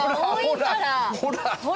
ほら！